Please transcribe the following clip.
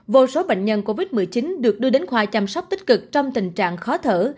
vô số bệnh nhân covid một mươi chín được đưa đến khoa chăm sóc tích cực trong tình trạng khó thở